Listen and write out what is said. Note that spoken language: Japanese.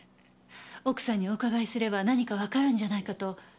奥さんにお伺いすれば何かわかるんじゃないかと。